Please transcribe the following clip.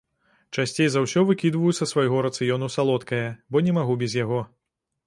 Часцей за ўсё выкідваю са свайго рацыёну салодкае, бо не магу без яго.